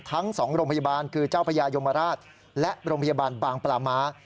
ทั้ง๒โรงพยาบาลคือเจ้าพญายมราชและโรงพยาบาลบางปลาม้า